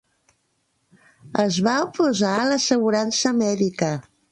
Es va oposar a l'assegurança mèdica.